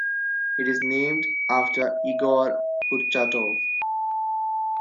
It is named after Igor Kurchatov.